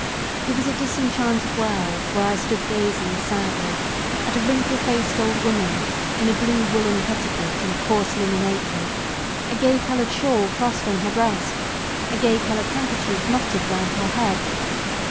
It was a disenchanted world where I stood gazing sadly, at a wrinkled faced old woman in a blue woollen petticoat and coarse linen apron, a gay coloured shawl crossed on her breast, a gay coloured handkerchief knotted round her head.